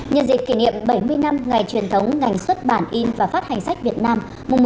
nhân dịp kỷ niệm bảy mươi năm ngày truyền thống ngành xuất bản in và phát hành sách việt nam